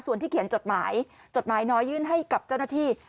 ส่วนที่เขียนจดหมายจดหมายน้อยยื่นให้กับเจ้าหน้าที่